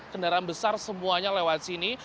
kendaraan besar semuanya lewat sini